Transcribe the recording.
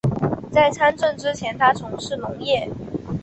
在参政之前他从事农业。